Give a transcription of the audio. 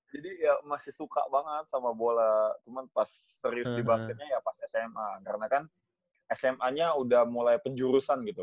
jadi ya masih suka banget sama bola cuman pas serius di basketnya ya pas sma karena kan sma nya udah mulai penjurusan gitu